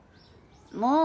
もう！